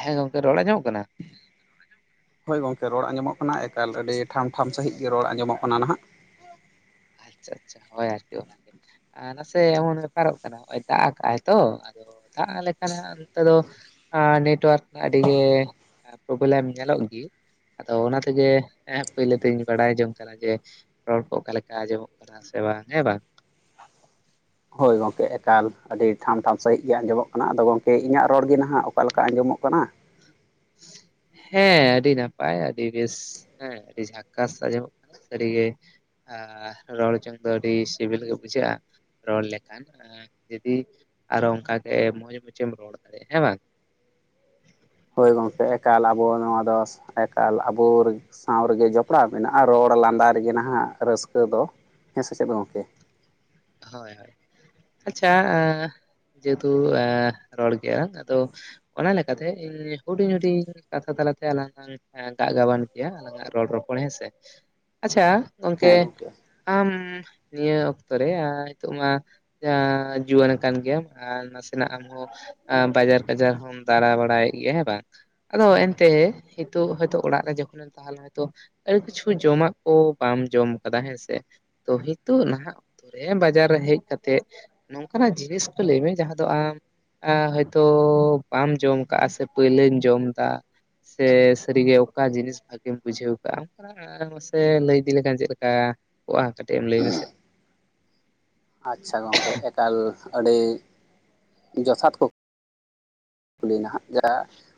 ᱦᱮᱸ ᱜᱚᱝᱠᱮ ᱨᱚᱲ ᱟᱸᱡᱚᱜ ᱠᱟᱱᱟ? ᱦᱳᱭ ᱜᱚᱝᱠᱮ ᱨᱚᱲ ᱟᱸᱡᱚᱢᱚᱜ ᱠᱟᱱᱟ ᱮᱠᱟᱞ ᱟᱹᱰᱤ ᱴᱷᱟᱢ ᱴᱷᱟᱢ ᱥᱟᱺᱦᱤᱡ ᱜᱮ ᱨᱚᱲ ᱟᱸᱡᱚᱢᱚᱜ ᱠᱟᱱᱟ ᱱᱟᱦᱟᱜ ᱟᱪᱪᱷᱟ ᱟᱪᱪᱷᱟ ᱦᱳᱭ ᱟᱨᱠᱤ ᱚᱱᱟ ᱜᱮ ᱟᱨ ᱱᱟᱥᱮ ᱮᱢᱚᱱ ᱵᱮᱯᱟᱨᱚᱜ ᱠᱟᱱᱟ ᱦᱚᱜ-ᱚᱭ ᱫᱟᱜ ᱠᱟᱜ-ᱟᱭ ᱛᱚ ᱟᱫᱚ ᱫᱟᱜ ᱞᱮᱠᱟᱱᱮ ᱦᱟᱸᱜ ᱱᱚᱸᱛᱮ ᱫᱚ ᱟ ᱱᱮᱴ-ᱳᱣᱟᱨᱠ ᱟᱹᱰᱤ ᱜᱮ ᱯᱨᱚᱵᱞᱮᱢ ᱧᱮᱞᱚᱜ ᱜᱤ᱾ ᱟᱫᱚ ᱚᱱᱟ ᱛᱮᱜᱮ ᱯᱟᱹᱭᱞᱟᱹᱛᱮᱧ ᱵᱟᱲᱟᱭ ᱡᱚᱝ ᱠᱟᱱᱟ ᱡᱮ ᱨᱚᱲ ᱠᱚ ᱚᱠᱟ ᱞᱮᱠᱟ ᱟᱸᱡᱚᱢᱚᱜ ᱠᱟᱱᱟ ᱥᱮ ᱵᱟᱝ ᱦᱮᱸ ᱵᱟᱝ᱾ ᱦᱳᱭ ᱜᱚᱝᱠᱮ ᱮᱠᱟᱞ ᱟᱹᱰᱤ ᱴᱷᱟᱢ ᱴᱷᱟᱢ ᱥᱟᱺᱦᱤᱡ ᱜᱮ ᱟᱸᱡᱚᱢᱚᱜ ᱠᱟᱱᱟ ᱟᱫᱚ ᱜᱚᱝᱠᱮ ᱤᱧᱟᱹᱜ ᱨᱚᱲ ᱜᱮ ᱱᱟᱦᱟᱜ ᱚᱠᱟ ᱞᱮᱠᱟ ᱟᱸᱡᱚᱢᱚᱜ ᱠᱟᱱᱟ? ᱦᱮᱸ ᱟᱹᱰᱤ ᱱᱟᱯᱟᱭ ᱟᱹᱰᱤ ᱵᱮᱥ᱾ ᱦᱮᱸ ᱟᱹᱰᱤ ᱡᱷᱟᱠᱟᱥ ᱟᱸᱡᱚᱢᱚᱜ ᱠᱟᱱᱟ ᱥᱟᱹᱨᱤ ᱜᱮ᱾ ᱟ ᱨᱚᱲ ᱡᱚᱝ ᱫᱚ ᱟᱹᱰᱤ ᱥᱤᱵᱤᱞ ᱜᱮ ᱵᱩᱡᱷᱟᱹᱜ-ᱟ ᱨᱚᱲ ᱞᱮᱠᱷᱟᱱ ᱡᱩᱫᱤ ᱟᱨᱚ ᱚᱝᱠᱟ ᱜᱮ ᱢᱚᱸᱡᱽ ᱢᱚᱡᱮᱢ ᱨᱚᱲ ᱫᱟᱲᱮᱭᱟᱜ-ᱟ ᱦᱮᱸ ᱵᱟᱝ? ᱦᱳᱭ ᱜᱚᱝᱠᱮ ᱮᱠᱟᱞ ᱟᱵᱚ ᱱᱚᱣᱟ ᱫᱚ ᱮᱠᱟᱞ ᱟᱵᱚ ᱨ- ᱥᱟᱶ ᱨᱮᱜᱮ ᱡᱚᱯᱲᱟᱣ ᱢᱮᱱᱟᱜ-ᱟ ᱨᱚᱲ ᱞᱟᱸᱫᱟ ᱨᱮᱜᱮ ᱱᱟᱦᱟᱜ ᱨᱟᱹᱥᱠᱟᱹ ᱫᱚ ᱦᱮᱸ ᱥᱮᱪᱮᱫ ᱜᱚᱝᱠᱮ? ᱦᱳᱭ ᱦᱳᱭ ᱟᱪᱪᱷᱟ ᱡᱮᱦᱮᱛᱩ, ᱮᱸ ᱨᱚᱲ ᱜᱮᱭᱟ ᱟᱫᱚ ᱚᱱᱟ ᱞᱮᱠᱟᱛᱮ ᱤᱧ ᱦᱩᱰᱤᱧ ᱦᱩᱰᱤᱧ, ᱠᱟᱛᱷᱟ ᱛᱟᱞᱟᱛᱮ ᱟᱞᱟᱝ ᱞᱟᱝ ᱦᱮᱸ ᱜᱟᱜ ᱜᱟᱵᱟᱱ ᱠᱮᱜᱼᱟ, ᱟᱞᱟᱝᱟᱜ ᱨᱚᱲ ᱨᱚᱯᱚᱲ ᱦᱮᱸᱥᱮ ᱟᱪᱪᱷᱟ? ᱜᱚᱝᱠᱮ ᱟᱢ ᱱᱤᱭᱟᱹ ᱚᱠᱛᱚ ᱨᱮ ᱱᱤᱛᱚᱜ ᱢᱟ ᱡᱟᱦᱟ ᱡᱩᱣᱟᱹᱱ ᱟᱠᱟᱱ ᱜᱮᱭᱟᱢ, ᱟᱨ ᱱᱟᱥᱮᱱᱟᱜ ᱟᱢᱦᱚᱸ ᱵᱟᱡᱟᱨ ᱠᱟᱡᱟᱨ ᱦᱚᱢ ᱫᱟᱬᱟ ᱵᱟᱲᱟᱭᱮᱜ ᱜᱮᱭᱟ ᱦᱮᱸ ᱵᱟᱝ? ᱟᱫᱚ ᱮᱱᱛᱮ, ᱦᱤᱛᱳᱜ ᱦᱚᱭᱛᱳ ᱚᱲᱟᱜ ᱨᱮ ᱡᱚᱠᱷᱚᱱᱮᱢ ᱛᱟᱦᱚᱞᱮ ᱦᱚᱭᱛᱚ ᱟᱹᱰᱤ ᱠᱤᱪᱷᱩ ᱡᱚᱢᱟᱜ ᱠᱚ, ᱵᱟᱢ ᱡᱚᱢ ᱠᱟᱫᱟ ᱦᱮᱸᱥᱮ, ᱛᱚ ᱦᱤᱛᱳᱜ ᱱᱟᱦᱟᱜ ᱦᱮᱸ ᱵᱟᱡᱟᱨ ᱨᱮ ᱦᱮᱡ ᱠᱟᱛᱮᱜ, ᱱᱚᱝᱠᱟᱱᱟᱜ ᱡᱤᱱᱤᱥ ᱠᱚ, ᱞᱮᱭ ᱢᱮ ᱡᱟᱦᱟᱸ ᱫᱚ ᱟᱢ ᱟ ᱦᱚᱭᱛᱳ ᱵᱟᱢ ᱡᱚᱢ ᱠᱟᱜᱼᱟ, ᱥᱮ ᱯᱟᱹᱭᱞᱟᱹ ᱡᱚᱢ ᱫᱟ? ᱥᱮ ᱥᱟᱹᱨᱤᱜᱮ ᱚᱠᱟ ᱡᱤᱱᱤᱥ, ᱵᱷᱟᱜᱤᱢ ᱵᱩᱡᱷᱟᱹᱣ ᱠᱟᱜᱼᱟ? ᱟᱨ ᱢᱟᱥᱮ ᱞᱟᱹᱭ ᱤᱫᱤ ᱞᱮᱠᱷᱟᱱ ᱪᱮᱫᱠᱟ ᱠᱚᱜᱼᱟ, ᱠᱟᱹᱴᱤᱡ ᱮᱢ ᱞᱮᱭ ᱢᱮᱥᱮ? ᱟᱪᱪᱷᱟ ᱜᱚᱝᱠᱮ ᱮᱠᱟᱞ ᱟᱹᱰᱤ, ᱡᱚᱛᱷᱟᱛ ᱠᱩᱠ ᱞᱤ ᱱᱟᱦᱟᱜ ᱡᱟ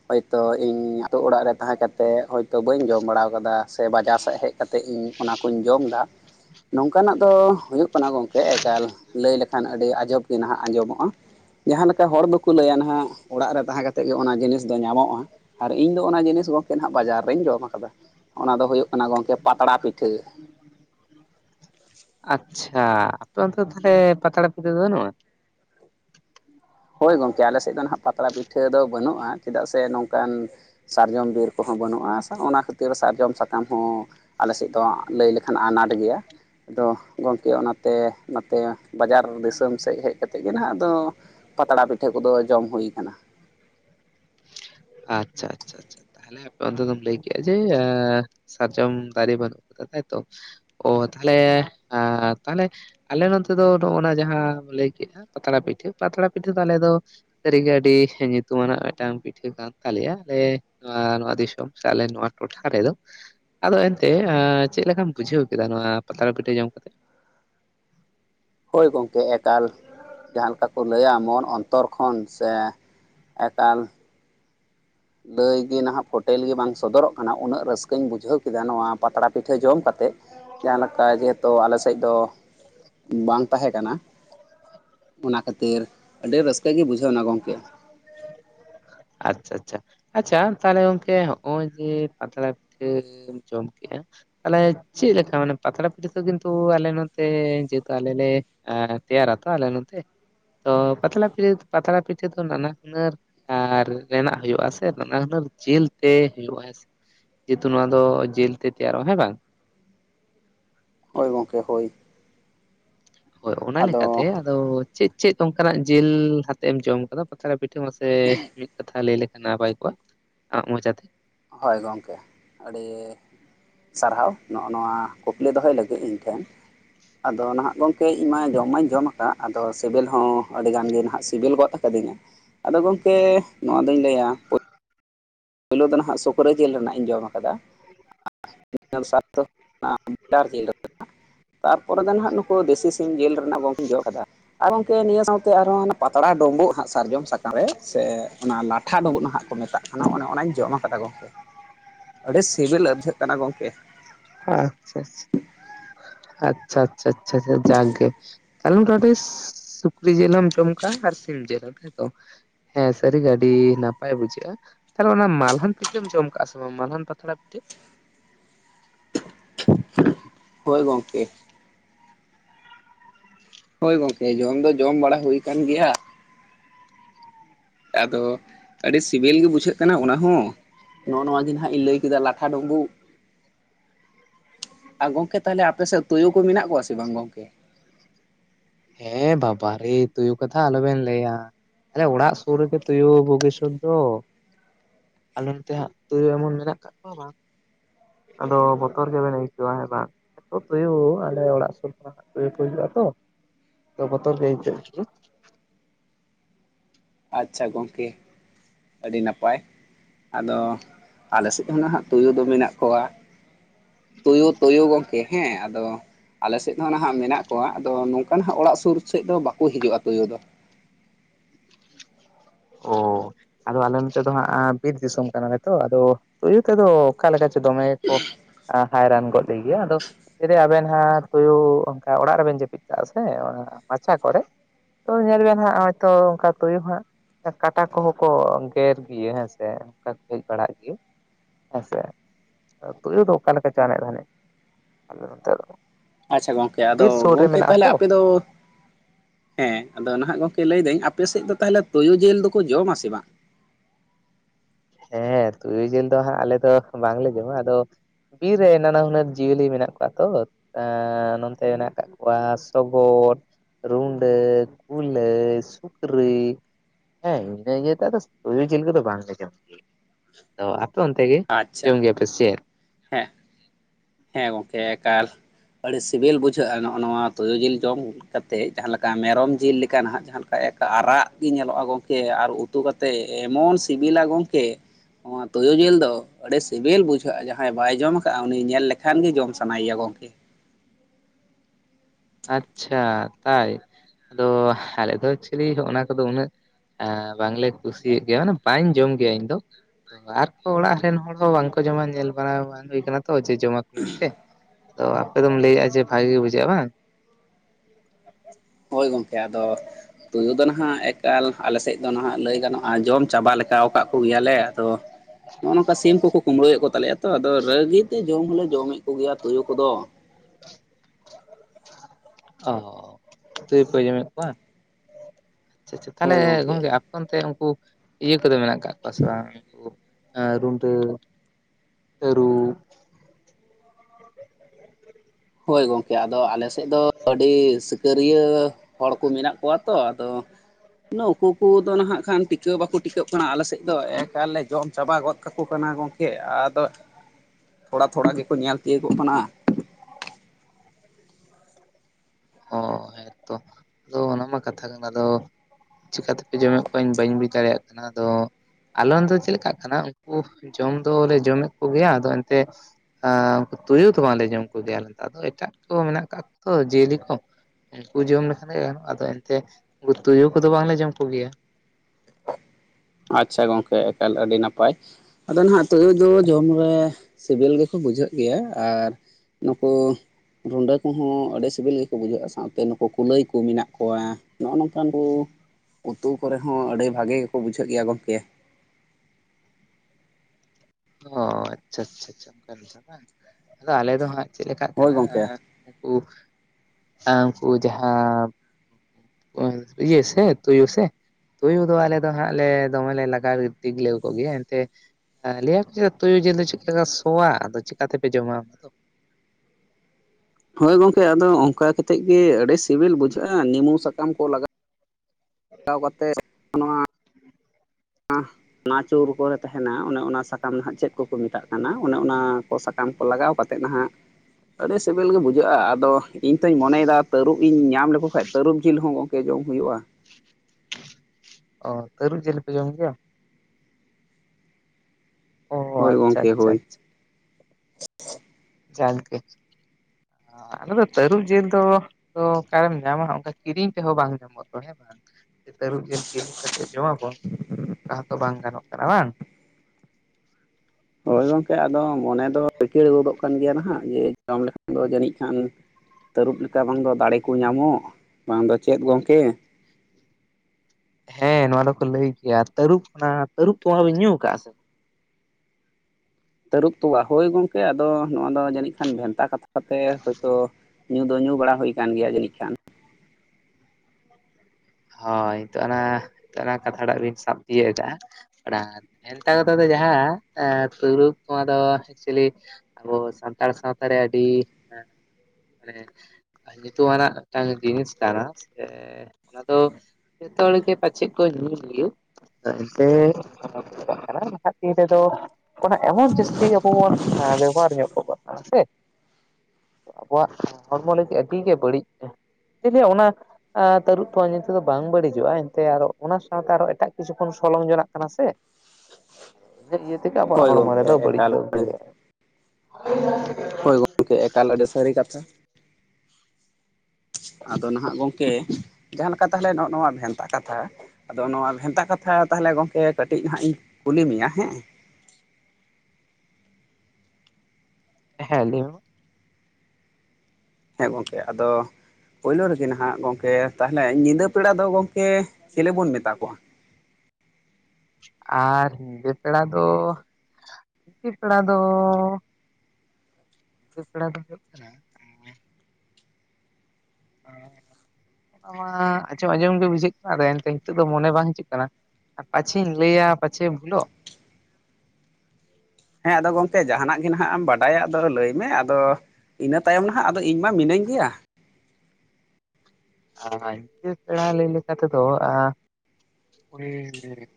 ᱦᱚᱭᱛᱳ ᱤᱧ, ᱟᱛᱳ ᱚᱲᱟᱜ ᱨᱮ ᱛᱟᱦᱮᱸ ᱠᱟᱛᱮ ᱦᱳᱭ ᱛᱚ ᱵᱟᱹᱧ ᱡᱚᱢ ᱵᱟᱲᱟᱣ ᱠᱟᱫᱟ, ᱥᱮ ᱵᱟᱡᱟᱨ ᱥᱮᱜ ᱦᱮᱡ ᱠᱟᱛᱮᱜ ᱤᱧ, ᱚᱱᱟᱠᱚᱧ ᱡᱚᱢᱫᱟ᱾ ᱱᱚᱝᱠᱟᱱᱟᱜ ᱫᱚ ᱦᱳᱭᱳᱜ ᱠᱟᱱᱟ ᱜᱚᱝᱠᱮ ᱮᱠᱟᱞ ᱞᱟᱹᱭ ᱞᱮᱠᱷᱟᱱ ᱟᱹᱰᱤ ᱟᱸᱡᱚᱵᱜᱮ ᱱᱟᱦᱟᱜ ᱟᱸᱡᱚᱢᱚᱜᱼᱟ, ᱡᱟᱦᱟᱸ ᱞᱮᱠᱟ ᱦᱚᱲ ᱫᱚᱠᱚ ᱞᱟᱹᱭᱟ ᱱᱟᱦᱟᱜ ᱚᱲᱟᱜ ᱨᱮ ᱛᱟᱦᱮᱸ ᱠᱟᱛᱮᱜ ᱜᱮ ᱚᱱᱟ ᱡᱤᱱᱤᱥ ᱫᱚ ᱧᱟᱢᱚᱜᱼᱟ, ᱟᱨ ᱤᱧ ᱫᱚ ᱚᱱᱟ ᱡᱤᱱᱤᱥ ᱜᱚᱝᱠᱮ ᱱᱟᱦᱟᱜ ᱵᱟᱡᱟᱨ ᱨᱤᱧ ᱡᱚᱢ ᱠᱟᱫᱟ᱾ ᱚᱱᱟ ᱫᱚ ᱦᱳᱭᱳᱜ ᱠᱟᱱᱟ ᱜᱚᱝᱠᱮ ᱯᱟᱛᱲᱟ ᱯᱤᱴᱷᱟᱹ᱾ ᱟᱪᱪᱷᱟ ᱟᱯᱮ ᱚᱛᱮ ᱫᱚ ᱛᱟᱦᱚᱞᱮ, ᱯᱟᱛᱲᱟ ᱯᱤᱴᱟᱹ ᱫᱚ ᱵᱟᱱᱩᱜᱼᱟ? ᱦᱳᱭ ᱜᱚᱝᱠᱮ ᱟᱞᱮ ᱥᱮᱫ ᱫᱚ ᱱᱟᱦᱟᱜ, ᱯᱟᱛᱲᱟ ᱯᱤᱴᱷᱟᱹ ᱫᱚ ᱵᱟᱹᱱᱩᱜᱼᱟ ᱪᱮᱫᱟᱜ ᱥᱮ ᱱᱚᱝᱠᱟᱱ ᱥᱟᱨᱡᱚᱢ ᱵᱤᱨ ᱠᱚᱦᱚᱸ ᱵᱟᱹᱱᱩᱜᱼᱟ, ᱚᱱᱟ ᱠᱷᱟᱹᱛᱤᱨ ᱥᱟᱨᱡᱚᱢ ᱥᱟᱠᱟᱢ ᱦᱚᱸ ᱟᱞᱮ ᱥᱮᱫ ᱫᱚ, ᱞᱟᱹᱭ ᱞᱮᱠᱷᱟᱱ ᱟᱱᱟᱴ ᱜᱮᱭᱟ᱾ ᱟᱫᱚ ᱜᱚᱝᱠᱮ ᱚᱱᱟᱛᱮ ᱱᱚᱛᱮ ᱵᱟᱡᱟᱨ ᱫᱤᱥᱚᱢ ᱥᱮᱫ, ᱦᱮᱡ ᱠᱟᱛᱮᱫ ᱜᱮ ᱱᱟᱦᱟᱸᱜ ᱟᱫᱚ ᱯᱟᱛᱲᱟ ᱯᱤᱴᱷᱟᱹ ᱠᱚᱫᱚ, ᱡᱚᱢ ᱦᱩᱭ ᱠᱟᱱᱟ ᱾ ᱟᱪᱪᱷᱟ, ᱟᱪᱪᱷᱟ, ᱟᱪᱪᱷᱟ ᱾ ᱛᱟᱦᱚᱞᱮ ᱟᱯᱮ ᱚᱱᱛᱮ ᱫᱚᱢ ᱞᱟᱹᱭ ᱠᱮᱫᱼᱟ, ᱡᱮ ᱥᱟᱨᱡᱚᱢ ᱫᱟᱨᱮ ᱵᱟᱹᱱᱩᱜ ᱠᱟᱫᱟ ᱛᱟᱭᱛᱚ ᱾ ᱚ ᱛᱟᱦᱞᱮ ᱟ ᱛᱟᱦᱞᱮ ᱟᱞᱮ ᱱᱚᱛᱮ ᱫᱚ ᱱᱚᱜᱼᱱᱟ ᱡᱟᱦᱟᱸ ᱞᱟᱹᱭ ᱠᱮᱫᱼᱟ, ᱯᱟᱛᱲᱟ ᱯᱤᱴᱷᱟᱹ ᱯᱟᱛᱲᱟ ᱯᱤᱴᱷᱟᱹ ᱫᱚ ᱟᱞᱮ ᱫᱚ ᱥᱟᱹᱨᱤᱜᱮ ᱟᱹᱰᱤ ᱧᱩᱛᱩᱢᱟᱱᱟᱜ ᱢᱤᱫᱴᱟᱝ ᱯᱤ ᱯᱤᱴᱷᱟᱹ ᱠᱟᱱ ᱛᱟᱞᱮᱭᱟ, ᱟᱞᱮ ᱱᱚᱣᱟ ᱱᱚᱣᱟ ᱫᱤᱥᱚᱢ ᱥᱮ ᱟᱞᱮ ᱱᱚᱣᱟ ᱴᱚᱴᱷᱟ ᱨᱮᱫᱚ᱾ ᱟᱫᱚ ᱮᱱᱛᱮ ᱮᱸ ᱪᱮᱫ ᱞᱮᱠᱟᱢ ᱵᱩᱡᱷᱟᱹᱣ ᱠᱮᱫᱟ, ᱱᱚᱶᱟ ᱯᱟᱛᱲᱟ ᱯᱤᱴᱷᱟᱹ ᱡᱚᱢ ᱠᱟᱛᱮ? ᱦᱳᱭ ᱜᱚᱝᱠᱮ ᱮᱠᱟᱞ ᱡᱟᱦᱟᱸ ᱞᱮᱠᱟ ᱠᱚ ᱞᱟᱹᱭᱟ, ᱢᱚᱱ ᱚᱱᱛᱚᱨ ᱠᱷᱚᱱ ᱥᱮ ᱮᱠᱟᱞ ᱞᱟᱹᱭᱜᱮ ᱱᱟᱦᱟᱜ ᱯᱷᱳᱴᱮᱞ ᱜᱮ ᱵᱟᱝ ᱥᱚᱫᱚᱨᱚᱜ ᱠᱟᱱᱟ, ᱩᱱᱟᱹᱜ ᱨᱟᱹᱥᱠᱟᱹᱧ ᱵᱩᱡᱷᱟᱹᱣ ᱠᱮᱫᱟ ᱱᱚᱣᱟ ᱯᱟᱛᱲᱟ ᱯᱤᱴᱷᱟᱹ ᱡᱚᱢ ᱠᱟᱛᱮᱫ ᱾ ᱛᱮᱫ ᱡᱟᱦᱟᱸ ᱞᱮᱠᱟ, ᱡᱮᱦᱮᱛᱚ ᱟᱞᱮ ᱥᱮᱫ ᱫᱚ ᱵᱟᱝ ᱛᱟᱦᱮᱸ ᱠᱟᱱᱟ, ᱚᱱᱟ ᱠᱷᱟᱹᱛᱤᱨ ᱟᱹᱰᱤ ᱨᱟᱹᱥᱠᱟᱹ ᱜᱮ, ᱵᱩᱡᱷᱟᱹᱣ ᱮᱱᱟ ᱜᱚᱝᱠᱮ ᱾ ᱟᱪᱪᱷᱟ ᱟᱪᱪᱷᱟ ᱟᱪᱪᱷᱟ, ᱛᱟᱦᱚᱞᱮ ᱜᱚᱝᱠᱮ ᱦᱚᱜᱼᱚᱭ ᱡᱮ ᱯᱟᱛᱲᱟ ᱯᱤᱴᱷᱟᱹ ᱡᱚᱢ ᱠᱮᱼᱟ᱾ ᱛᱟᱦᱞᱮ ᱪᱮᱫ ᱞᱮᱠᱟ, ᱢᱟᱱᱮ ᱯᱟᱛᱲᱟ ᱯᱤᱴᱷᱟᱹ ᱫᱚ ᱠᱤᱱᱛᱩ ᱟᱞᱮ ᱱᱚᱛᱮ ᱡᱮᱦᱛᱩ ᱟᱞᱮ ᱞᱮ ᱮ ᱛᱮᱭᱟᱨᱟ ᱛᱚ ᱟᱞᱮ ᱱᱚᱛᱮ, ᱛᱚ ᱯᱟᱛᱞᱟ ᱯᱤᱴᱷᱟᱹ, ᱯᱟᱛᱲᱟ ᱯᱤᱴᱷᱟᱹ ᱫᱚ ᱱᱟᱱᱟ ᱦᱩᱱᱟᱹᱨ ᱟᱨ ᱨᱮᱱᱟᱜ ᱦᱳᱭᱩᱳᱜᱼᱟᱥᱮ, ᱱᱟᱱᱟ ᱦᱩᱱᱟᱹᱨ ᱡᱤᱞ ᱛᱮ ᱦᱳᱭᱳᱜᱼᱟ ᱦᱮᱸᱥᱮ ᱾ ᱡᱮᱦᱮᱛᱩ ᱱᱚᱣᱟ ᱫᱚ ᱡᱤᱞ ᱛᱮ, ᱛᱮᱭᱟᱨᱚᱜᱼᱟ ᱦᱮᱸ ᱵᱟᱝ ᱾ ᱦᱳᱭ, ᱜᱚᱝᱠᱮ ᱦᱳᱭ ᱾ ᱦᱳᱭ ᱚᱱᱟ ᱞᱮᱠᱟᱱᱛᱮ ᱟᱫᱚ ᱪᱮᱫ, ᱪᱮᱫ ᱚᱱᱠᱟᱱᱟᱜ ᱡᱤᱞ ᱦᱟᱛᱮᱜ ᱮᱢ ᱡᱚᱢ ᱠᱟᱫᱟ? ᱯᱚᱛᱲᱟ ᱯᱤᱴᱷᱟᱹ ᱢᱟᱥᱮ ᱢᱤᱫ ᱠᱟᱛᱷᱟ ᱞᱟᱹᱭ ᱞᱮᱠᱷᱟᱱ ᱱᱟᱯᱟᱭ ᱠᱚᱜ-ᱟ ᱟᱢᱟᱜ ᱢᱚᱪᱟᱛᱮ ᱾ ᱦᱳᱭ ᱜᱚᱝᱠᱮ ᱟᱹᱰᱤ ᱥᱟᱨᱦᱟᱣ ᱱᱚᱜᱚ ᱱᱚᱣᱟ ᱠᱩᱠᱞᱤ ᱫᱚᱦᱚᱭ ᱞᱟᱹᱜᱤᱫ ᱤᱧ ᱴᱷᱮᱱ᱾ ᱟᱫᱚ ᱱᱟᱦᱟᱜ ᱜᱚᱝᱠᱮ ᱤᱧ ᱢᱟ ᱡᱚᱢ ᱢᱟᱧ ᱡᱚᱢ ᱠᱟᱜ ᱟᱫᱚ ᱥᱤᱵᱤᱞ ᱦᱚᱸ ᱟᱹᱰᱤ ᱜᱟᱱ ᱜᱮ ᱱᱟᱦᱟᱜ ᱥᱤᱵᱤᱞ ᱜᱚᱫ ᱠᱟᱫᱤᱧᱟ᱾ ᱟᱫᱚ ᱜᱚᱝᱠᱮ ᱱᱚᱣᱟ ᱫᱩᱧ ᱞᱟᱹᱭ-ᱟ ᱯᱳ ᱯᱩᱭᱞᱳ ᱫᱚ ᱱᱟᱦᱟᱜ ᱥᱩᱠᱨᱤ ᱡᱤᱞ ᱨᱮᱱᱟᱜ ᱤᱧ ᱡᱚᱢ ᱠᱟᱫᱟ ᱾ [unintelligible] ᱛᱟᱨᱯᱚᱨᱮ ᱫᱚ ᱱᱟᱦᱟᱜ ᱱᱩᱠᱩ ᱫᱮᱥᱤ ᱥᱤᱢ ᱡᱤᱞ ᱨᱮᱱᱟᱜ ᱜᱚᱝᱠᱮᱧ ᱡᱚᱢ ᱠᱟᱫᱟ ᱾ ᱟᱨ ᱜᱚᱝᱠᱮ ᱱᱤᱭᱟᱹ ᱥᱟᱶ ᱛᱮ ᱟᱨᱚ ᱚᱱᱟ ᱯᱟᱛᱲᱟ ᱰᱩᱳᱵᱩᱜ ᱦᱟᱜ ᱥᱟᱨᱡᱚᱢ ᱥᱟᱠᱟᱢ ᱨᱮ ᱥᱮ ᱚᱱᱟ ᱞᱟᱫ ᱴᱷᱟ ᱰᱳᱢᱵᱳᱜ ᱱᱟᱦᱟᱜ ᱠᱚ ᱢᱮᱛᱟᱜ ᱠᱟᱱᱟ ᱚᱱᱮ ᱚᱱᱟᱧ ᱡᱚᱢ ᱠᱟᱫᱟ ᱜᱚᱝᱠᱮ ᱟᱹᱰᱤ ᱥᱤᱵᱤᱞ ᱟᱹᱵᱽᱡᱷᱟᱹᱜ ᱠᱟᱱᱟ ᱜᱚᱝᱠᱮ ᱾ ᱟᱪᱪᱷᱟ, ᱟᱪᱪᱷᱟ᱾ ᱟᱪᱪᱷᱟ, ᱟᱪᱪᱷᱟ, ᱟᱪᱪᱷᱟ, ᱟᱪᱪᱷᱟ ᱡᱟᱠ ᱜᱮ ᱟᱞᱮ ᱱᱚᱰᱮᱥ ᱥᱩᱠ ᱥᱩᱠᱨᱤ ᱡᱤᱞ ᱦᱚᱢ ᱡᱚᱢ ᱠᱟᱜ-ᱟ ᱟᱨ ᱥᱤᱢ ᱡᱤᱞ ᱦᱮᱛᱚ ᱦᱮᱸ ᱥᱟᱹᱨᱤ ᱜᱮ ᱟᱹᱰᱤ ᱱᱟᱯᱟᱭ ᱵᱩᱡᱷᱟᱹᱜ-ᱟ ᱾ ᱛᱟᱦᱞᱮ ᱚᱱᱟ ᱢᱟᱞᱦᱟᱱ ᱯᱤᱴᱷᱟᱹᱢ ᱡᱚᱢ ᱠᱟᱜ-ᱟ ᱥᱮ ᱵᱟᱝ ᱢᱟᱞᱦᱟᱱ ᱯᱟᱛᱲᱟ ᱯᱤᱴᱷᱟᱹ? ᱦᱳᱭ ᱜᱚᱝᱠᱮ ᱾ ᱦᱳᱭ ᱜᱚᱝᱠᱮ ᱡᱚᱢ ᱫᱚ ᱡᱚᱢ ᱵᱟᱲᱟ ᱦᱳᱭ ᱠᱟᱱ ᱜᱮᱭᱟ᱾ ᱟᱫᱚ ᱟᱹᱰᱤ ᱥᱤᱵᱤᱞ ᱜᱮ ᱵᱩᱡᱷᱟᱹᱜ ᱠᱟᱱᱟ ᱚᱱᱟᱦᱚᱸ᱾ ᱱᱚᱜᱚ ᱱᱚᱣᱟ ᱜᱮ ᱱᱟᱦᱟᱜ ᱤᱧ ᱞᱟᱹᱭ ᱠᱮᱜ-ᱟ ᱞᱟᱴᱷᱟ ᱰᱩᱢᱵᱩᱜ ᱾ ᱟᱨ ᱜᱚᱝᱠᱮ ᱛᱟᱦᱞᱮ ᱟᱯᱮ ᱥᱮᱫ ᱛᱩᱭᱩ ᱠᱩ ᱢᱮᱱᱟᱜ ᱠᱚᱣᱟ ᱥᱮ ᱵᱟᱝ ᱜᱚᱝᱠᱮ? ᱦᱮᱸ ᱵᱟᱵᱟᱨᱮ ᱛᱳᱭᱳ ᱠᱟᱛᱷᱟ ᱟᱞᱚ ᱵᱮᱱ ᱞᱟᱹᱭ-ᱟ ᱾ ᱟᱞᱮ ᱚᱲᱟᱜ ᱥᱳᱨ ᱨᱮᱜᱮ ᱛᱳᱭᱳ ᱵᱳᱜᱮ ᱥᱳᱫ ᱫᱚ᱾ ᱟᱞᱮ ᱱᱚᱛᱮ ᱦᱟᱸᱜ ᱛᱳᱭᱳ ᱮᱢᱚᱱ ᱢᱮᱱᱟᱜ ᱠᱟᱜ ᱠᱚᱣᱟ ᱵᱟᱝ ᱟᱫᱚ ᱵᱚᱛᱚᱨ ᱜᱮ ᱵᱮᱱ ᱟᱹᱭᱠᱟᱹᱣᱟ ᱦᱮ ᱵᱟᱝ ᱮᱛᱚ ᱛᱳᱭᱳ ᱟᱞᱮ ᱚᱲᱟᱜ ᱥᱳᱨ ᱠᱚᱨᱮ᱾ ᱛᱳᱭᱳ ᱠᱚ ᱦᱤᱡᱩᱜ-ᱟ ᱛᱚ᱾ ᱛᱚ ᱵᱚᱛᱚᱨ ᱜᱮ ᱟᱹᱭᱠᱟᱜ ᱜᱮᱭᱟ᱾ ᱟᱪᱪᱷᱟ ᱜᱚᱝᱠᱮ᱾ ᱟᱹᱰᱤ ᱱᱟᱯᱟᱭ ᱟᱫᱚ ᱟᱞᱮ ᱥᱮᱫ ᱦᱚᱸ ᱱᱟᱦᱟᱜ ᱛᱳᱭᱳ ᱫᱚ ᱢᱮᱱᱟᱜ ᱠᱚᱣᱟ᱾ ᱛᱳᱭᱳ, ᱛᱳᱭᱳ ᱜᱚᱝᱠᱮ ᱦᱮᱸ ᱟᱫᱚ ᱟᱞᱮ ᱥᱮᱫ ᱦᱚᱸ ᱱᱟᱦᱟᱜ ᱢᱮᱱᱟᱜ ᱠᱚᱣᱟ ᱟᱫᱚ ᱱᱚᱝᱠᱟ ᱱᱟᱦᱟᱜ ᱚᱲᱟᱜ ᱥᱳᱨ ᱥᱮᱫ ᱫᱚ ᱵᱟᱠᱚ ᱦᱤᱡᱩᱜ-ᱟ ᱛᱳᱭᱳ ᱫᱚ᱾ ᱚ ᱟᱫᱚ ᱟᱞᱮ ᱱᱚᱛᱮ ᱫᱚ ᱦᱟᱸᱜ ᱵᱤᱨ ᱫᱤᱥᱚᱢ ᱠᱟᱱᱟ ᱞᱮ ᱛᱚ ᱟᱫᱚ ᱳᱛᱭᱳ ᱛᱮ ᱫᱚ ᱚᱠᱟ ᱞᱮᱠᱟ ᱪᱚ ᱫᱚᱢᱮ ᱠᱚ ᱦᱟᱭᱨᱟᱱ ᱜᱚᱫ ᱞᱮ ᱜᱮᱭᱟ ᱟᱫᱚ ᱡᱩᱫᱤ ᱟᱵᱮᱱ ᱦᱟᱸᱜ ᱛᱳᱭᱳ ᱚᱱᱠᱟ ᱚᱲᱟᱜ ᱨᱮᱵᱮᱱ ᱡᱟᱹᱯᱤᱫ ᱠᱟᱜ-ᱟ ᱥᱮ ᱚᱱᱟ ᱨᱟᱪᱟ ᱠᱚᱨᱮ᱾ ᱛᱚ ᱧᱮᱞ ᱢᱮ ᱦᱟᱸᱜ ᱦᱳᱭ ᱛᱚ ᱦᱟᱸᱜ ᱚᱱᱠᱟ ᱛᱳᱭᱳ ᱦᱟᱸᱜ ᱠᱟᱴᱟ ᱠᱚᱦᱚᱸ ᱠᱚ ᱜᱮᱨ ᱜᱮᱭᱟ ᱦᱮᱸ ᱥᱮ ᱚᱱᱠᱟ ᱠᱚ ᱦᱮᱡ ᱵᱟᱲᱟᱜ ᱜᱮᱭᱟ᱾ ᱦᱮᱥᱮ ᱛᱳᱭᱳ ᱫᱚ ᱚᱠᱟᱞ ᱞᱮᱠᱟ ᱪᱚ ᱟᱱᱮᱡ ᱫᱷᱟᱱᱮᱡ ᱟᱞᱮ ᱱᱮᱛᱮ ᱫᱚ᱾ ᱟᱪᱪᱷᱟ ᱜᱚᱝᱠᱮ ᱟᱫᱚ ᱵᱤᱨ ᱥᱩᱨ ᱨᱮ ᱜᱚᱝᱠᱮ ᱢᱮᱱᱟᱜᱼᱟ ᱛᱟᱦᱞᱮ ᱛᱚ ᱟᱯᱮ ᱫᱚ ᱦᱮᱸ ᱟᱫᱚ ᱱᱟᱦᱟᱜ ᱜᱚᱝᱠᱮ ᱞᱟᱹᱭ ᱫᱟᱹᱧ ᱟᱯᱮ ᱥᱮᱫ ᱫᱚ ᱛᱟᱦᱞᱮ ᱛᱳᱭᱳ ᱡᱮᱞ ᱫᱚᱠᱚ ᱡᱚᱢᱟ ᱥᱮ ᱵᱟᱝ? ᱦᱮᱸ ᱛᱳᱭᱳ ᱡᱮᱞ ᱫᱚ ᱦᱟᱸᱜ ᱟᱞᱮ ᱫᱚ ᱵᱟᱝ ᱞᱮ ᱡᱚᱢᱟ ᱟᱫᱚ ᱵᱤᱨ ᱨᱮ ᱱᱟᱱᱟ ᱦᱩᱱᱟᱹᱨ ᱡᱤᱭᱟᱹᱞᱤ ᱢᱮᱱᱟᱜ ᱠᱚᱣᱟ ᱛᱚ ᱱᱚᱱᱚᱛᱮ ᱢᱮᱱᱟᱜ ᱠᱟᱜ ᱠᱚᱣᱟ ᱥᱚᱜᱚᱫ᱾ ᱨᱩᱸᱰᱟᱹ, ᱠᱩᱞᱟᱹᱭ, ᱥᱩᱠᱨᱤ᱾ ᱦᱮᱸ ᱜᱚᱝᱠᱮ ᱤᱭᱟᱹ ᱴᱟᱜ ᱫᱚ ᱥᱩᱠᱨᱤ ᱡᱮᱞ ᱫᱚ ᱵᱟᱝ ᱞᱮ ᱡᱚᱢᱟ᱾ ᱟᱫᱚ ᱟᱯᱮ ᱚᱱᱛᱮ ᱜᱮ ᱟᱪᱪᱷᱟ ᱡᱚᱢ ᱜᱮᱭᱟ ᱯᱮ ᱥᱮ ᱪᱮᱫ? ᱦᱮᱸ᱾ ᱦᱮᱸ ᱜᱚᱝᱠᱮ ᱮᱠᱟᱞ, ᱟᱹᱰᱤ ᱥᱤᱵᱤᱞ ᱵᱩᱡᱷᱟᱹᱜᱼᱟ ᱱᱚᱜᱼᱚ ᱱᱚᱣᱟ ᱛᱩᱭᱩ ᱡᱤᱞ ᱡᱚᱢ ᱠᱟᱛᱮᱫ, ᱡᱟᱦᱟᱸ ᱞᱮᱠᱟ ᱢᱮᱨᱚᱢ ᱡᱤᱞ ᱞᱮᱠᱟ ᱱᱟᱦᱟᱜ ᱡᱟᱦᱟᱸ ᱞᱮᱠᱟ ᱮᱠ ᱟᱨᱟᱜ ᱜᱤ ᱧᱮᱞᱚᱜᱼᱟ ᱜᱚᱝᱠᱮ ᱟᱨ ᱩᱛ ᱩᱛᱩ ᱠᱟᱛᱮ ᱮᱢᱚᱱ ᱥᱤᱵᱤᱞᱟ ᱜᱚᱝᱠᱮ, ᱱᱚᱣᱟ ᱛᱩᱭᱩ ᱡᱤᱞ ᱫᱚ ᱟᱹᱰᱤ ᱥᱤᱵᱤᱞ ᱵᱩᱡᱷᱟᱹᱜᱼᱟ ᱡᱟᱦᱟᱸᱭ ᱵᱟᱭ ᱡᱚᱢ ᱠᱟᱜᱼᱟ ᱩᱱᱤ ᱧᱮᱞ ᱞᱮ ᱠᱷᱟᱱ ᱜᱮ ᱡᱚᱢ ᱥᱟᱱᱟᱭ ᱭᱟ ᱜᱚᱝᱠᱮ᱾ ᱟᱪᱪᱷᱟ ᱛᱟᱭ, ᱟᱫᱚ ᱟᱞᱮ ᱫᱚ ᱮᱠᱪᱩᱭᱮᱞᱤ ᱦᱚᱸᱜᱼᱚ ᱱᱟ ᱠᱚᱫᱚ ᱩᱱᱟᱹᱜ ᱮᱸ ᱵᱟᱝᱞᱮ ᱠᱩᱥᱤᱭᱟᱜ ᱜᱮᱭᱟ ᱢᱟᱱᱮ ᱵᱟᱹᱧ ᱡᱚᱢ ᱜᱮᱭᱟ ᱤᱧ ᱫᱚ᱾ ᱟᱨ ᱠᱚ ᱚᱲᱟᱜ ᱨᱮᱱ ᱦᱚᱲ ᱦᱚᱸ ᱵᱟᱝᱠᱚ ᱡᱚᱢᱟ ᱧᱮᱞ ᱵᱟᱲᱟ ᱵᱟᱝ ᱦᱩᱭ ᱠᱟᱱᱟ ᱛᱚ ᱡᱮ ᱡᱚᱢᱟ ᱠᱚ ᱢᱮᱱᱛᱮ, ᱛᱚ ᱟᱯᱮ ᱫᱚᱢ ᱞᱟᱹᱭᱮᱜᱼᱟ ᱡᱮ ᱵᱷᱟᱜᱮ ᱜᱮ ᱵᱩᱡᱷᱟᱹᱜᱼᱟ ᱵᱟᱝ? [inaudible] ᱦᱳᱭ ᱜᱚᱝᱠᱮ ᱟᱫᱚ ᱛᱩᱭᱩ ᱫᱚ ᱱᱟᱦᱟᱜ ᱮᱠᱟᱞ ᱟᱞᱮ ᱥᱮᱫ ᱫᱚ ᱱᱟᱦᱟᱜ ᱞᱟᱹᱭ ᱜᱟᱱᱚᱜᱼᱟ, ᱡᱚᱢ ᱪᱟᱵᱟ ᱞᱮᱠᱟᱣ ᱠᱟᱜ ᱠᱚᱜᱮᱭᱟᱞᱮ ᱟᱫᱚ ᱱᱚᱜ-ᱚ ᱱᱚᱝᱠᱟ ᱥᱤᱢ ᱠᱚᱠᱚ ᱠᱩᱢᱵᱲᱩᱭᱮᱫ ᱠᱚ ᱛᱟᱞᱮᱭᱟ ᱛᱚ ᱟᱫᱚ ᱨᱟᱹᱜᱤ ᱛᱮ ᱡᱚᱢ ᱦᱚᱸᱞᱮ ᱡᱚᱢᱮᱫ ᱠᱚᱜᱮᱭᱟ ᱛᱩᱭᱩ ᱠᱚᱫᱚ᱾ ᱚ ᱛᱩᱭᱩ ᱯᱮ ᱡᱚᱢᱮᱫ ᱠᱚᱣᱟ? ᱟᱪᱪᱷᱟ ᱟᱪᱪᱷᱟ ᱛᱟᱞᱦᱮ ᱦᱳᱭ ᱜᱚᱢᱠᱮ ᱜᱚᱝᱠᱮ ᱟ ᱯᱮ ᱚᱱᱛᱮ ᱩᱱᱠᱩ ᱤᱭᱟᱹ ᱠᱚᱫᱚ ᱢᱮᱱᱟᱜ ᱠᱟᱜ ᱠᱚᱣᱟ ᱥᱮ ᱵᱟᱝ ᱩᱱᱠᱩ ᱮᱸ ᱨᱩᱰᱟᱹ, ᱛᱟᱨᱩᱵ᱾ ᱦᱳᱭ ᱜᱚᱝᱠᱮ ᱟᱫᱚ ᱟᱞᱮ ᱥᱮᱫ ᱫᱚ ᱟᱹᱰᱤ ᱥᱤᱠᱟᱹᱨᱤᱭᱟᱹ ᱦᱚᱲ ᱠᱚ ᱢᱮᱱᱟᱜ ᱠᱚᱣᱟ ᱛᱚ, ᱟᱫᱚ ᱢᱟᱱᱮ ᱩᱠᱩ ᱩᱠᱩ ᱫᱚ ᱱᱟᱦᱟᱜ ᱠᱷᱟᱱ ᱴᱤᱠᱟᱹᱣ ᱵᱟᱠᱚ ᱴᱤᱠᱟᱹᱣᱚᱜ ᱠᱟᱱᱟ ᱟᱞᱮ ᱥᱮᱫ ᱫᱚ ᱮᱠᱟᱞ ᱞᱮ ᱡᱚᱢ ᱪᱟᱵᱟ ᱜᱚᱫ ᱠᱟᱠᱚ ᱠᱟᱱᱟ ᱜᱚᱝ ᱠᱮ ᱟᱫᱚ [inaudible] ᱛᱷᱚᱲᱟ ᱛᱷᱚᱲᱟ ᱜᱮᱠᱚ ᱧᱮᱞ ᱛᱤᱭᱳᱜᱚᱜ ᱠᱟᱱᱟ᱾ ᱚ ᱦᱮᱸ ᱛᱚ᱾ ᱟᱫᱚ ᱚᱱᱟ ᱢᱟ ᱠᱟᱛᱷᱟ ᱠᱟᱱᱟ ᱟᱫᱚ ᱪᱮᱠᱟ ᱛᱮᱯᱮ ᱡᱚᱢᱮᱫ ᱠᱚᱣᱟᱧ ᱤᱧ ᱵᱟᱹᱧ ᱵᱩᱡᱽ ᱫᱟᱲᱮᱭᱟᱜ ᱠᱟᱱᱟ ᱟᱫᱚ ᱟᱞᱮ ᱚᱱᱛᱮ ᱫᱚ ᱪᱮᱫᱠᱟᱜ ᱠᱟᱱᱟ ᱩᱱᱠᱩ ᱡᱚᱢ ᱫᱚᱞᱮ ᱡᱚᱢᱮᱫ ᱠᱚᱜᱮᱭᱟ ᱟᱫᱚ ᱮᱱᱛᱮᱫ ᱟᱸ ᱩᱱᱠᱩ ᱛᱩᱭᱩ ᱫᱚᱢᱮ ᱞᱮ ᱡᱚᱢ ᱠᱚᱜᱮᱭᱟ ᱟᱞᱮ ᱫᱚ ᱟᱫᱚ ᱮᱴᱟᱜ ᱠᱚ ᱢᱮᱱᱟᱜ ᱠᱟᱫ ᱠᱚᱫᱚ ᱡᱤᱭᱟᱹᱞᱤ ᱠᱚ᱾ ᱩᱱᱠᱩ ᱡᱚᱢ ᱞᱮᱠᱷᱟᱱ ᱜᱮ ᱜᱟᱱᱚᱜ-ᱟ ᱟᱫᱚ ᱮᱱᱛᱮ ᱩᱱᱠᱩ ᱛᱩᱭᱩ ᱠᱚᱫᱚ ᱵᱟᱝᱞᱮ ᱡᱚᱢ ᱠᱚᱜᱮᱭᱟ᱾ ᱟᱪᱪᱷᱟ ᱜᱚᱝᱠᱮ ᱮᱠᱟᱞ ᱟᱹᱰᱤ ᱱᱟᱯᱟᱭ᱾ ᱟᱫᱚ ᱱᱟᱦᱟᱜ ᱛᱩᱭᱩ ᱫᱚ ᱡᱚᱢ ᱨᱮ ᱥᱤᱵᱤᱞ ᱜᱮᱠᱚ ᱵᱩᱡᱷᱟᱹᱜ ᱜᱮᱭᱟ, ᱟᱨ ᱱᱩᱠᱩ ᱨᱩᱸᱰᱟᱹ ᱠᱚᱦᱚᱸ ᱟᱹᱰᱤ ᱥᱤᱵᱤᱞ ᱜᱮᱠᱚ ᱵᱩᱡᱷᱟᱹᱜᱼᱟ ᱥᱟᱶᱛᱮ ᱱᱩᱠᱩ ᱠᱩᱞᱟᱹᱭ ᱠᱚ ᱢᱮᱱᱟᱜ ᱠᱚᱣᱟ᱾ ᱱᱚᱜᱼᱚ ᱱᱚᱝᱠᱟᱱ ᱠᱚ, ᱩᱛᱩ ᱠᱚᱨᱮ ᱦᱚᱸ ᱟᱹᱰᱤ ᱵᱷᱟᱜᱮ ᱜᱮᱠᱚ ᱵᱩᱡᱷᱟᱹᱜ ᱜᱮᱭᱟ ᱜᱚᱝᱠᱮ᱾ ᱚ ᱟᱪᱪᱷᱟ ᱟᱪᱪᱷᱟ ᱟᱷᱟ [inaudible] ᱵᱟᱝ ᱟᱫᱚ ᱟᱞᱮ ᱫᱚ ᱦᱟᱸᱜ ᱪᱮᱫ ᱞᱮᱠᱟᱜ ᱦᱳᱭ ᱠᱟᱱᱟ ᱜᱚᱝᱠᱮ ᱮᱸ ᱩᱱᱠᱩ ᱮᱸ ᱩᱱᱠᱩ ᱡᱟᱦᱟᱸ ᱮᱸ ᱤᱭᱟᱹ ᱥᱮ ᱛᱩᱭᱩ ᱥᱮ ᱛᱩᱭᱩ ᱫᱚ ᱟᱞᱮ ᱫᱚ ᱦᱟᱸᱜ ᱞᱮ ᱫᱚᱢᱮ ᱞᱟᱜᱟ ᱰᱤᱜᱽᱞᱟᱹᱣ ᱠᱚᱜᱮᱭᱟ ᱮᱱᱛᱮ ᱮᱸ ᱞᱟᱹᱭᱟ ᱛᱩᱭᱩ ᱡᱤᱞ ᱫᱚ ᱪᱮᱫ ᱪᱚ ᱥᱚᱣᱟ, ᱟᱫᱚ ᱪᱮᱠᱟᱛᱮᱯᱮ ᱡᱚᱢᱟ ᱚᱱᱟ ᱫᱚ? ᱦᱳᱭ ᱜᱚᱝᱠᱮ ᱟᱫᱚ ᱚᱱᱠᱟ ᱠᱟᱛᱮᱫ ᱜᱮᱤ ᱟᱹᱰᱤ ᱥᱤᱵᱤᱞ ᱵᱩᱡᱷᱟᱹᱜᱼᱟ ᱱᱮᱢᱩ ᱥᱟᱠᱟᱢ ᱠᱚ ᱞᱟᱜᱟ ᱜᱟᱣ ᱠᱟᱛᱮ [inaudible] ᱱᱚᱣᱟ [inaudible] ᱱᱟᱪᱩᱨ ᱠᱚᱨᱮ ᱛᱟᱦᱮᱱᱟ ᱚᱱᱮ ᱚᱱᱟ ᱥᱟᱠᱟᱢ ᱱᱟᱦᱟᱜ ᱪᱮᱫ ᱠᱚᱠᱚ ᱢᱮᱛᱟᱜ ᱠᱟᱱᱟ, ᱚᱱᱮ ᱚᱱᱟ ᱠᱚ ᱥᱟᱠ ᱠᱟᱢ ᱠᱚ ᱞᱟᱜᱟᱣ ᱠᱟᱛᱮᱫ ᱱᱟᱦᱟᱜ ᱟᱹᱰᱤ ᱥᱤᱵᱤᱞ ᱜᱮ ᱵᱩᱡᱷᱟᱹᱜᱼᱟ ᱟᱫᱚ ᱤᱧ ᱛᱚᱧ ᱢᱚᱱᱮᱭᱮᱫᱟ ᱛᱟᱹᱨᱩᱵᱽ ᱤᱧ ᱧᱟᱢ ᱞᱮᱠᱚ ᱠᱷᱟᱡ ᱛᱟᱹᱨᱩᱵᱽ ᱡᱤᱞ ᱦᱚᱸ ᱜᱚᱝᱠᱮ ᱡᱚᱢ ᱦᱩᱭᱩᱜᱼᱟ᱾ ᱚ ᱛᱟᱹᱨᱩᱵᱽ ᱡᱤᱞ ᱦᱚᱸ ᱯᱮ ᱡᱚᱢ ᱜᱮᱭᱟ? ᱚ ᱦᱳᱭ ᱟᱪᱪᱷᱟ ᱜᱚᱝᱠᱮ ᱟᱪᱪᱷᱟ ᱦᱳᱭ ᱟᱪᱪᱷᱟ ᱡᱟᱠ ᱜᱮ ᱟᱞᱮ ᱫᱚ ᱛᱟᱹᱨᱩᱵᱽ ᱡᱤᱞ ᱫᱚ ᱚᱠᱟᱨᱮᱢ ᱧᱟᱢᱟ ᱚᱱᱠᱟ ᱠᱤᱨᱤᱧ ᱛᱮᱦᱚᱸ ᱵᱟᱝ ᱧᱟᱢᱟ ᱦᱮᱸ ᱵᱟᱝ ᱛᱟᱹᱨᱩᱵ ᱡᱤᱞ ᱠᱤᱨᱤᱧ ᱠᱟᱛᱮ ᱡᱚᱢᱟ ᱵᱚᱱ ᱚᱱᱠᱟ ᱦᱚᱛᱚ ᱵᱟᱝ ᱜᱟᱱᱚᱜ ᱠᱟᱱᱟ ᱵᱟᱝ᱾ ᱦᱳᱭ ᱜᱚᱝᱠᱮ ᱟᱫᱚ ᱢᱚᱱᱮ ᱫᱚ ᱨᱤᱠᱤᱲ ᱜᱚᱫᱚᱜ ᱠᱟᱱ ᱜᱮᱭᱟ ᱱᱟᱦᱟᱜ ᱡᱮ ᱡᱚᱢ ᱞᱮᱠᱷᱟᱱ ᱫᱚ ᱡᱟᱹᱱᱤᱡ ᱠᱷᱟᱱ ᱛᱟᱹᱨᱩᱵᱽ ᱞᱮᱠᱟ ᱵᱟᱝᱫᱚ ᱫᱟᱲᱮ ᱠᱚ ᱧᱟᱢᱚᱜ ᱵᱟᱝ ᱫᱚ ᱪᱮᱫ ᱜᱚᱝᱠᱮ ᱦᱮᱸ ᱱᱚᱣᱟ ᱫᱚᱠᱚ ᱞᱟᱹᱭ ᱜᱮᱭᱟ ᱛᱟᱹᱨᱩᱵᱽ ᱚᱱᱟ ᱛᱟᱹᱨᱩᱵ ᱛᱚᱣᱟ ᱵᱤᱱ ᱧᱩ ᱟᱠᱟᱫᱼᱟ ᱥᱮ? ᱛᱟᱹᱨᱩᱵ ᱛᱚᱣᱟ ᱦᱳᱭ ᱜᱚᱝᱠᱮ ᱟᱫᱚ ᱱᱚᱣᱟ ᱫᱚ ᱡᱟᱹᱱᱤᱡ ᱠᱷᱟᱱ ᱵᱷᱮᱱᱛᱟ ᱠᱟᱛᱷᱟ ᱛᱮ ᱦᱳᱭᱛᱳ ᱧᱩ ᱫᱚ ᱧᱩ ᱵᱟᱲᱟ ᱦᱩᱭ ᱠᱟᱱ ᱜᱮᱭᱟ ᱡᱟᱹᱱᱤᱡ ᱠᱷᱟᱱ ᱦᱳᱭ ᱱᱤᱛᱚᱜ ᱟᱱᱟ ᱚᱱᱟ ᱠᱟᱛᱷᱟ ᱴᱟᱜ ᱵᱤᱥ ᱥᱟᱵ ᱛᱤᱭᱚᱜ ᱟᱠᱟᱫᱟ ᱚᱱᱟ ᱵᱷᱮᱱᱛᱟ ᱠᱟᱛᱷᱟ ᱛᱮ ᱡᱟᱦᱟᱸ ᱛᱩᱹᱨᱩᱵ ᱛᱚᱣᱟ ᱫᱚ ᱪᱮᱞᱤ ᱟᱵᱚ ᱥᱟᱱᱛᱟᱲ ᱥᱟᱶᱛᱟ ᱨᱮ ᱟᱹᱰᱤ ᱢᱟᱱᱮ ᱧᱩᱛᱩ ᱟᱱᱟᱜ ᱢᱤᱫᱴᱟᱝ ᱡᱤᱱᱤᱥ ᱠᱟᱱᱟ ᱥᱮ ᱛᱚ ᱡᱚᱛᱚ ᱦᱚᱲ ᱜᱮ ᱯᱟᱪᱮᱫ ᱠᱚ ᱧᱩᱭ ᱜᱮ ᱮᱱᱛᱮ [inaudible] ᱱᱟᱟᱜ ᱛᱤᱱ ᱨᱮᱫᱚ ᱚᱱᱟ ᱮᱢᱚᱱ ᱡᱟᱹᱥᱛᱤ ᱟᱵᱚ ᱵᱚᱱ ᱵᱮᱵᱚᱦᱟᱨ ᱧᱚᱜ ᱠᱚ ᱠᱟᱱᱟ ᱥᱮ ᱟᱵᱚᱣᱟᱜ ᱦᱚᱲᱢᱚ ᱞᱟᱹᱜᱤᱫ ᱟᱹᱰᱤᱜᱮ ᱵᱟᱹᱲᱤᱡ ᱤᱧ ᱞᱟᱹᱭᱟ ᱚᱱᱟ ᱛᱟᱹᱨᱩᱵ ᱛᱚᱣᱟ ᱧᱩ ᱛᱮᱫᱚ ᱵᱟᱝ ᱵᱟᱹᱲᱤᱡᱚᱜᱼᱟ ᱮᱱᱛᱮ ᱟᱨ ᱚᱱᱟ ᱥᱟᱶᱛᱮ ᱟᱨᱚ ᱮᱴᱟᱜ ᱠᱤᱪᱷᱩ ᱠᱷᱚᱱ ᱥᱚᱞᱚᱝ ᱡᱚᱱᱟᱜ ᱠᱟᱱᱟ ᱥᱮ ᱟᱫᱚ ᱤᱱᱟ ᱤᱭᱟᱹ ᱛᱮᱜᱮ ᱟᱵᱚᱣᱟᱜ ᱦᱳᱭ ᱦᱚᱲᱢᱚ ᱜᱚᱢᱠᱮ ᱨᱮᱫᱚ ᱵᱟᱹᱲᱤᱡ ᱮᱠᱟᱞ ᱫᱚ ᱟᱹᱜᱩᱭᱟᱭ ᱦᱳᱭ ᱜᱚᱝᱠᱮ ᱮᱠᱟᱞ ᱟᱹᱰᱤ ᱥᱟᱹᱨᱤ ᱠᱟᱛᱷᱟ ᱟᱫᱚ ᱱᱟᱦᱟᱜ ᱜᱚᱝ ᱠᱮ ᱡᱟᱦᱟᱸ ᱞᱮᱠᱟ ᱛᱟᱦᱚᱞᱮ ᱱᱚᱜ ᱱᱚᱣᱟ ᱵᱷᱮᱱᱛᱟ ᱠᱟᱛᱷᱟ ᱟᱫᱚ ᱱᱚᱣᱟ ᱵᱷᱮᱱᱛᱟ ᱠᱟᱛᱷᱟ ᱛᱟᱦᱚᱞᱮ ᱜᱚᱝᱠᱮ ᱠᱟᱹᱴᱤᱡ ᱦᱜ ᱤᱧ ᱠᱩᱞᱤ ᱢᱮᱭᱟ ᱦᱮᱸ ᱦᱮ ᱞᱟᱹᱭ ᱢᱮ ᱦᱮᱸ ᱜᱚᱝᱠᱮ ᱟᱫᱚ ᱯᱳᱭᱞᱳ ᱨᱮᱜᱮ ᱱᱟᱦᱟᱜ ᱜᱚᱝᱠᱮ ᱛᱟᱦᱚᱞᱮ ᱧᱤᱫᱟᱹ ᱯᱮᱲᱟ ᱫᱚ ᱜᱚᱝᱠᱮ ᱪᱞᱮ ᱵᱚᱱ ᱢᱮᱛᱟ ᱠᱚᱣᱟ? ᱟᱨ ᱧᱤᱫᱟᱹ ᱯᱮᱲᱟ ᱫᱚ ᱫᱤ ᱯᱮᱲᱟ ᱫᱚ ᱧᱤᱫᱟᱹ ᱯᱮᱲᱟ ᱫᱚ ᱦᱩᱭᱩᱜ ᱠᱟᱱᱟ ᱚᱱᱟ ᱢᱟ ᱟᱸᱡᱚᱢ ᱟᱸᱡᱚᱢ ᱜᱮ ᱵᱩᱡᱷᱟᱹᱜ ᱠᱟᱱᱟ ᱮᱱᱛᱮ ᱱᱤᱛᱚᱜ ᱫᱚ ᱢᱚᱱᱮ ᱵᱟᱝ ᱦᱤᱡᱩᱜ ᱠᱟᱱᱟ ᱟᱨ ᱯᱟᱪᱷᱤᱮᱧ ᱞᱟᱹᱭᱟ ᱯᱟᱪᱮ ᱵᱷᱩᱞᱚᱜ ᱦᱮᱸ ᱟᱫᱚ ᱜᱚᱝᱠᱮ ᱡᱟᱦᱟᱱᱟᱜ ᱜᱮ ᱦᱱᱟᱜ ᱮᱢ ᱵᱟᱰᱟᱭᱟ ᱟᱫᱚ ᱞᱟᱹᱭ ᱢᱮ ᱟᱫᱚ ᱤᱱᱟᱹ ᱛᱟᱭᱚᱢ ᱱᱟᱦᱟᱜ ᱟᱫᱚ ᱤᱧ ᱢᱟ ᱢᱤᱱᱟᱹᱧ ᱜᱮᱭᱟ᱾ ᱧᱤᱫᱟ ᱯᱮᱲᱟ ᱞᱟᱹ ᱞᱮᱠᱟᱛᱮᱫᱚ ᱮ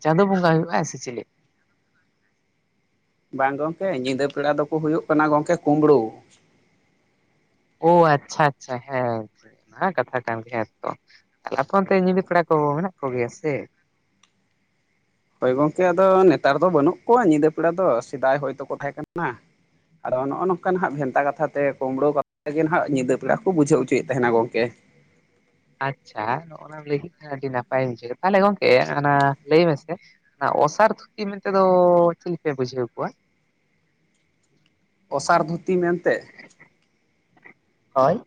ᱪᱟᱸᱫᱳ ᱵᱚᱸᱜᱟ ᱦᱩᱭᱩᱜᱼᱟᱭ ᱥᱤᱪᱤᱞᱤ? ᱵᱟᱝ ᱜᱚᱝᱠᱮ ᱧᱤᱫᱟᱹ ᱯᱮᱲᱟ ᱫᱚᱠᱚ ᱦᱩᱭᱩᱜ ᱠᱟᱱᱟ ᱜᱚᱝᱠᱮ ᱠᱩᱢᱵᱽᱲᱩ᱾ ᱟᱪᱪᱷᱟ ᱟᱪᱪᱷᱟ ᱦᱮᱸ ᱟ ᱠᱟᱛᱷᱟ ᱠᱟᱱ ᱜᱮᱭᱟ ᱛᱚ ᱛᱟᱦᱟᱞᱮ ᱟᱯᱮ ᱚᱱᱛᱮ ᱧᱤᱫᱟᱹ ᱯᱮᱲᱟ ᱠᱚ ᱢᱮᱱᱟᱜ ᱠᱚ ᱜᱮᱭᱟ ᱥᱮᱪᱮᱜ? ᱦᱳᱭ ᱜᱚᱝᱠᱮ ᱟᱫᱚ ᱱᱮᱛᱟᱨ ᱫᱚ ᱵᱟᱹᱱᱩᱜ ᱠᱚᱣᱟ ᱧᱤᱫᱟᱹ ᱯᱮᱲᱟ ᱫᱚ ᱥᱮᱫᱟᱭ ᱦᱚᱭ ᱛᱳ ᱠᱚ ᱛᱟᱦᱮᱸ ᱠᱟᱱᱟ ᱟᱫᱚ ᱱᱚᱜᱚ ᱱᱚᱝᱠᱟ ᱱᱟᱜ ᱵᱷᱮᱱᱛᱟ ᱠᱟᱛᱷᱟ ᱛᱮ ᱠᱩᱢᱵᱽᱲᱩ ᱠᱟᱛᱷᱟ ᱜᱮ ᱦᱟᱸᱜ ᱧᱤᱫᱟᱹ ᱯᱮᱲᱟ ᱠᱚ ᱵᱩᱡᱷᱟᱹᱣ ᱦᱚᱪᱚᱭᱮᱫ ᱛᱟᱦᱮᱱᱟ ᱜᱚᱝᱠᱮ᱾ ᱟᱪᱪᱷᱟ ᱱᱚᱜ ᱱᱟ ᱞᱟᱹᱭ ᱠᱮᱫ ᱠᱷᱟᱱ ᱟᱹᱰᱤ ᱱᱟᱯᱟᱭᱤᱧ ᱵᱩᱡᱷᱟᱹᱣᱟ ᱛᱟᱦᱚᱞᱮ ᱜᱚᱝᱠᱮ ᱚᱱᱟ ᱞᱟᱹᱭ ᱢᱮᱥᱮ? ᱚᱱᱟ ᱚᱥᱟᱨ ᱫᱷᱩᱠᱤ ᱢᱮᱱᱛᱮ ᱫᱚ ᱪᱮᱫ ᱯᱮ ᱵᱩᱡᱷᱟᱹᱣ ᱠᱚᱣᱟ? ᱚᱥᱟᱨ ᱫᱷᱩᱛᱤ ᱢᱮᱱᱛᱮ ᱦᱳᱭ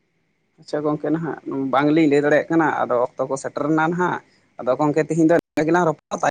ᱪᱚ ᱜᱚᱝᱠᱮ ᱱᱟᱦᱟᱜ ᱵᱟᱝ ᱞᱤᱧ ᱞᱟᱹᱭ ᱫᱟᱲᱮᱭᱟᱜ ᱠᱟᱱᱟ ᱟᱫᱚ ᱚᱠᱛᱚ ᱠᱚ ᱥᱮᱴᱮᱨ ᱱᱟ ᱱᱟᱦᱟᱜ ᱟᱫᱚ ᱜᱚᱝᱠᱮ ᱛᱤᱦᱤᱧ ᱫᱚ ᱤᱱᱟ [inaudible]